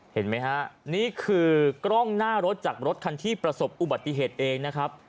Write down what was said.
เห็นไหมฮะนี่คือกล้องหน้ารถจากรถคันที่ประสบอุบัติเหตุเองนะครับ